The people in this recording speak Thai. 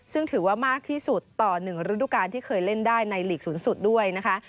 ซึ่งถือว่ามากที่สุดต่อ๑ฤดูการที่เคยเล่นได้ในหลีกสูงสุดด้วยนะคะ